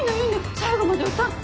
最後まで歌って。